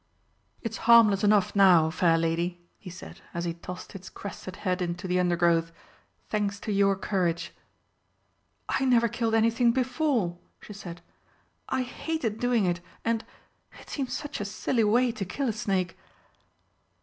"It is harmless enough now, fair lady," he said as he tossed its crested head into the undergrowth, "thanks to your courage." "I never killed anything before," she said. "I hated doing it, and it seems such a silly way to kill a snake!"